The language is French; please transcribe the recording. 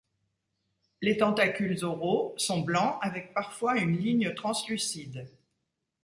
Les tentacules oraux sont blancs avec parfois une ligne translucide.